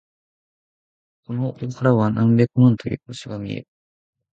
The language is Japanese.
この丘からは何百万という星が見える。